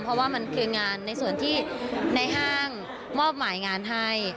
เพราะว่ามันคืองานในส่วนที่ในห้างมอบหมายงานให้